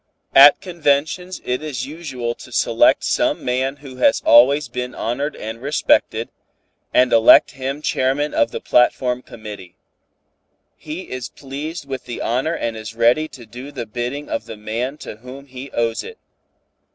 "At conventions it is usual to select some man who has always been honored and respected, and elect him chairman of the platform committee. He is pleased with the honor and is ready to do the bidding of the man to whom he owes it.